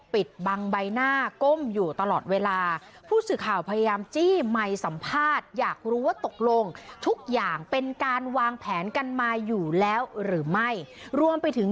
ปิดบังใบหน้าก้มอยู่ตลอดเวลาผู้สื่อข่าวพยายามจี้ไมค์สัมภาษณ์อยากรู้ว่าตกลงทุกอย่างเป็นการวางแผนกันมาอยู่แล้วหรือไม่รวมไปถึง